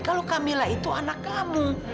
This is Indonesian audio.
kalau kamilah itu anak kamu